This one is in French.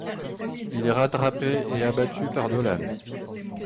Il est rattrapé et abattu par Dolan.